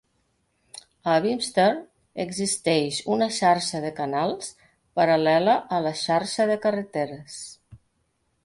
A Beemster existeix una xarxa de canals paral·lela a la xarxa de carreteres.